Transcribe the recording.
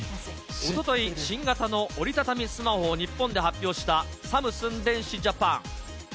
おととい、新型の折り畳みスマホを日本で発表したサムスン電子ジャパン。